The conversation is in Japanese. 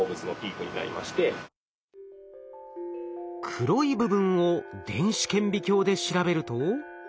黒い部分を電子顕微鏡で調べると。